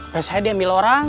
ternyata dia ambil orang